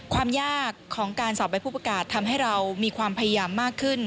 ความยากของการสอบใบผู้ประกาศทำให้เรามีความพยายามมากขึ้น